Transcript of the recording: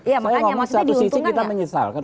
saya ngomong satu sisi kita menyesalkan